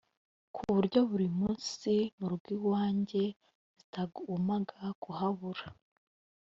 ku buryo buri munsi mu rugo iwanjye zitagomaga kuhabura